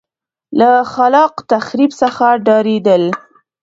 له خلاق تخریب څخه ډارېدل.